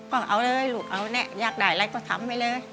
ก็เอาเลยลูกเอาแน่อยากได้อะไรก็ทำไปเลย